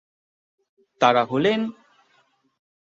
তারা হলেন,